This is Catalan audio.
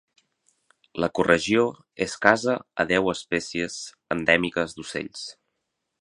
L'ecoregió és casa a deu espècies endèmiques d'ocells.